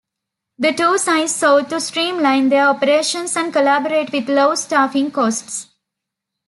The two sites sought to streamline their operations and collaborate with low staffing costs.